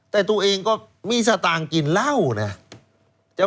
แต่ตัวเองก็มีสตางค์กินเหล้านะ